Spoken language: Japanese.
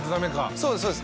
そうですそうです。